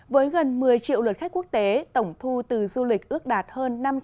với gần một mươi triệu lượt khách quốc tế tổng thu từ du lịch ước đạt hơn năm trăm linh